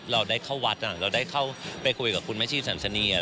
เราได้เข้าวัดเราได้เข้าไปคุยกับคุณแม่ชีพสันสนี